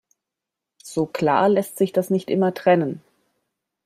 So klar lässt sich das nicht immer trennen.